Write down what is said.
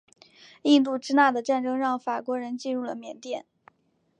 印度支那的战争让法国人进入了缅甸。